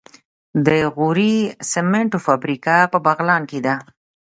د غوري سمنټو فابریکه په بغلان کې ده.